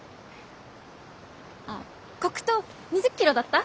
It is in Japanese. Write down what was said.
あっ黒糖２０ｋｇだった？